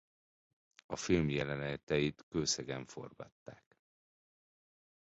A film jeleneteit Kőszegen forgatták.